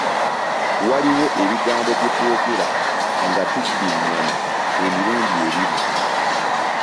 Waliwo ebigambo bye twogera nga tuddingana emirundi ebiri.